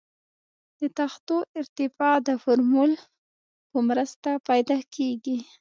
د تختو ارتفاع د فورمول په مرسته پیدا کیږي